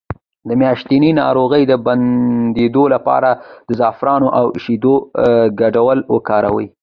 د میاشتنۍ ناروغۍ د بندیدو لپاره د زعفران او شیدو ګډول وکاروئ